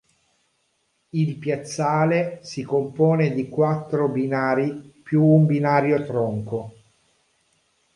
Il piazzale si compone di quattro binari più un binario tronco.